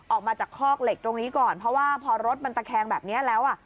ออกมาจากคอกเหล็กตรงนี้ก่อนเพราะว่าพอรถมันตะแคงแบบนี้แล้วอ่ะ